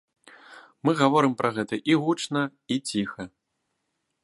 Мы гаворым пра гэта і гучна, і ціха.